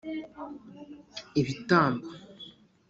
ibitambo